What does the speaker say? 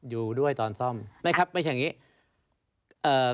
อยู่ด้วยตอนซ่อมไม่ครับไม่ใช่อย่างนี้